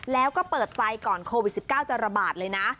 แล้วก็เปิดใจก่อนโควิด๑๙จะระบาดเลยนะ